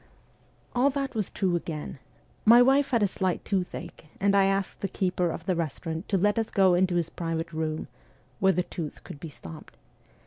All that was true again. My wife had a slight toothache, and I asked the keeper of the restaurant to let us go into his private room, where the tooth could be stopped.